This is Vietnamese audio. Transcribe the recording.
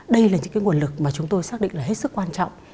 đây là những cái nguồn lực mà chúng tôi xác định là hết sức quan trọng